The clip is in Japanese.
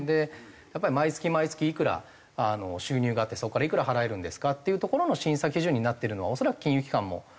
やっぱり毎月毎月いくら収入があってそこからいくら払えるんですかっていうところの審査基準になってるのは恐らく金融機関も同じだと。